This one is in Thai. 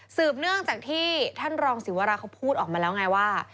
เนื่องจากที่ท่านรองศิวราเขาพูดออกมาแล้วไงว่า